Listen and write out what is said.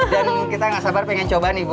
dan kita nggak sabar pengen coba nih bu